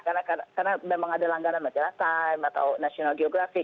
karena memang ada langganan majalah time